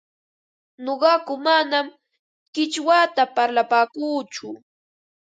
Nuqaku manam qichwata parlapaakuuchu,